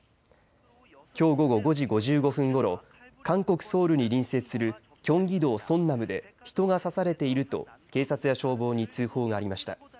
きょう午後５時５５分ごろ韓国・ソウルに隣接するキョンギ道ソンナムで人が刺されていると警察や消防に通報がありました。